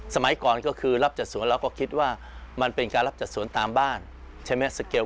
สมัยก่อนก็คือรับจัดสวนแล้วก็คิดว่ามันเป็นการรับจัดสวนตามบ้านใช่ไหมสเกล